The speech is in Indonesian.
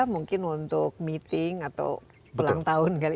mungkin untuk meeting atau ulang tahun kali